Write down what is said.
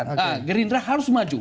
nah gerindra harus maju